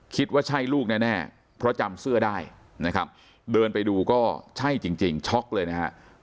คิดว่าใช่ลูกแน่เพราะจำเสื้อได้นะครับเดินไปดูก็ใช่จริงช็อกเลยนะฮะ